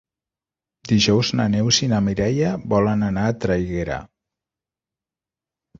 Dijous na Neus i na Mireia volen anar a Traiguera.